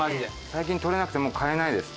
最近とれなくてもう買えないです。